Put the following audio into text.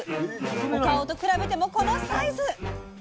お顔と比べてもこのサイズ！